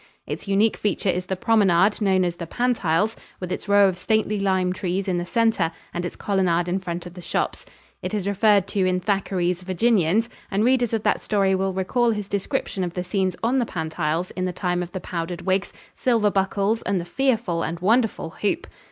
Its unique feature is the promenade, known as "The Pantiles," with its row of stately lime trees in the center and its colonade in front of the shops. It is referred to in Thackeray's "Virginians," and readers of that story will recall his description of the scenes on the Pantiles in the time of the powdered wigs, silver buckles and the fearful and wonderful "hoop."